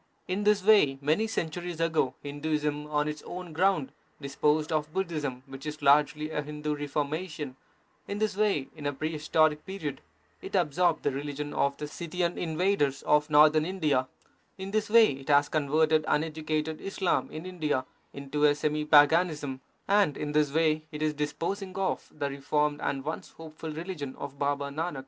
In this way, many centuries ago, Hinduism on its own ground disposed of Budhism, which was largely a Hindu reformation ; in this way, in a prehistoric period, it absorbed the religion of the Scythian invaders of Northern India ; in this way it has converted uneducated Islam in India into a semi paganism ; and in this way it is disposing of the reformed and once hopeful religion of Baba Nanak.